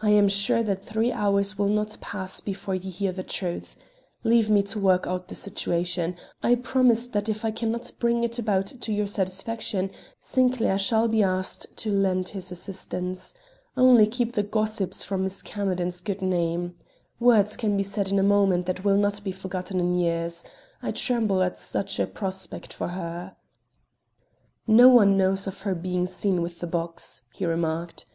"I am sure that three hours will not pass before you hear the truth. Leave me to work out the situation. I promise that if I can not bring it about to your satisfaction, Sinclair shall be asked to lend his assistance. Only keep the gossips from Miss Camerden's good name. Words can be said in a moment that will not be forgotten in years. I tremble at such a prospect for her." "No one knows of her being seen with the box," he remarked.